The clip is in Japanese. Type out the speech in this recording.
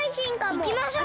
いきましょう！